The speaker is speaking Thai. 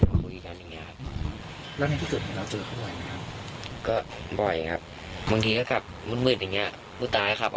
ที่ดีของพวกศพตรงนั้นคือเป็นที่ประทับ